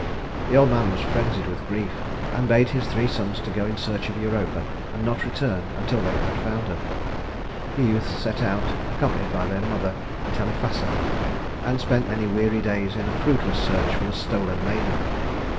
The old man was frenzied with grief, and bade his three sons to go in search of Europa and not return until they had found her. The youths set out, accompanied by their mother, Telephassa, and spent many weary days in a fruitless search for the stolen maiden.